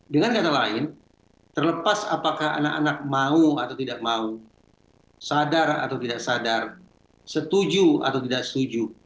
dengan kata lain terlepas apakah anak anak mau atau tidak mau sadar atau tidak sadar setuju atau tidak setuju